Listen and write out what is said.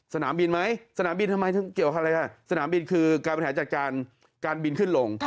สนามบินไหมสนามบินทำไมเกี่ยวอะไรล่ะสนามบินคือการบริหารจัดการการบินขึ้นลง